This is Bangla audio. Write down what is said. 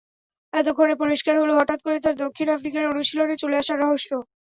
এতক্ষণে পরিষ্কার হলো হঠাৎ করে তাঁর দক্ষিণ আফ্রিকার অনুশীলনে চলে আসার রহস্য।